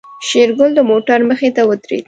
شېرګل د موټر مخې ته ودرېد.